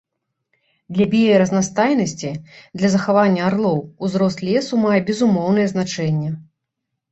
Для біяразнастайнасці, для захавання арлоў узрост лесу мае безумоўнае значэнне.